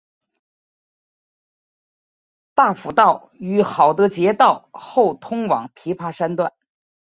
大埔道于郝德杰道后通往琵琶山段。